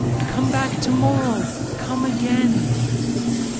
Come back to morrow! Come again!"